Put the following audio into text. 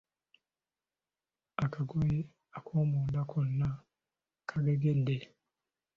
Akagoye akomunda konna kagegedde.